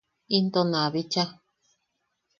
Into na bicha.